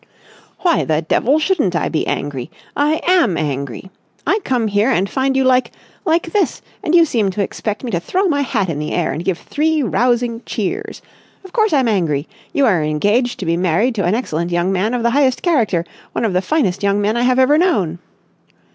"Why the devil shouldn't I be angry? I am angry! I come here and find you like—like this, and you seem to expect me to throw my hat in the air and give three rousing cheers! Of course I'm angry! You are engaged to be married to an excellent young man of the highest character, one of the finest young men I have ever known...."